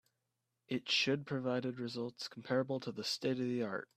It should provided results comparable to the state of the art.